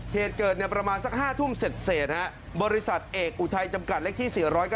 เหตุเกิดประมาณสัก๕ทุ่มเสร็จบริษัทเอกอุทัยจำกัดเลขที่๔๙